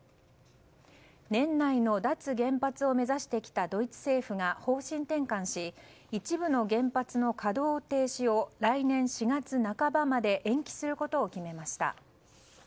年内の脱原発を目指してきたドイツ政府が方針転換し、一部の原発の稼働停止を来年４月半ばまで延期することを決めました。